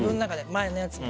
前のやつも。